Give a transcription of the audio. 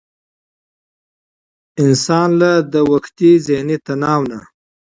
انسان له د وقتي ذهني تناو نه